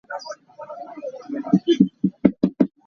Sianginn kai na ka tlai ter lai.